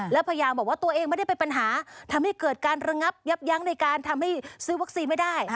แล้วพยายามบอกว่าตัวเองไม่ได้เป็นปัญหาทำให้เกิดการระงับยับยั้งในการทำให้ซื้อวัคซีนไม่ได้